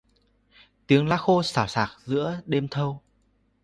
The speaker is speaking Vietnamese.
Tiếng lá khô xào xạc giữa đêm thâu